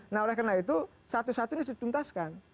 nah oleh karena itu satu satunya dituntaskan